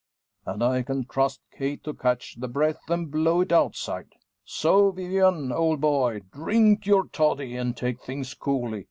And I can trust Kate to catch the breath, and blow it outside. So, Vivian, old boy, drink your toddy, and take things coolly.